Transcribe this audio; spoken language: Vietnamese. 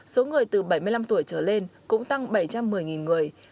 số người từ bảy mươi năm tuổi trở lên cũng tăng bảy trăm một mươi người